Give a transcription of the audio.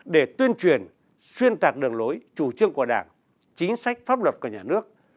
để tuyên truyền xuyên tạc đường lối chủ trương của đảng chính sách pháp luật của nhà nước